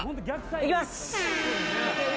いきます